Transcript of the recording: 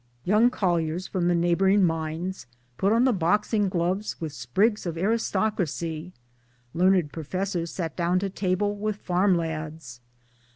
Young colliers from the neighboring mines put on the boxing gloves with sprigs of aristocracy ; learned professors sat down to table with farm lads.